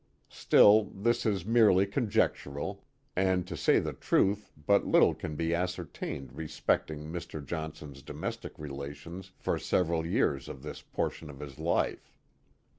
Still this is merely conjectural, and, to say the truth, but little can be ascertained respecting Mr« Johnson's doicnestic relations for several years of this pcurtion of his life.